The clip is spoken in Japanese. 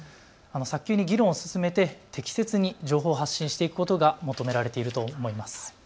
早急に議論を進めて適切に情報を発信していくことが求められていると思います。